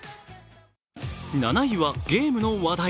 ７位はゲームの話題。